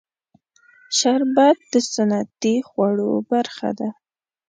شربت د سنتي خوړو برخه ده